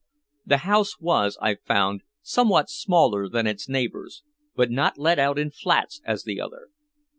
The house was, I found, somewhat smaller than its neighbors, but not let out in flats as the others.